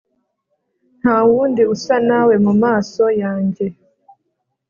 nta wundi usa nawe mu maso yanjye